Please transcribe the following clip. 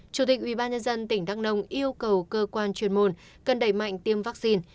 chủ tịch ủy ban nhân dân tỉnh đắk nông yêu cầu cơ quan chuyên môn cần đẩy mạnh tiêm vaccine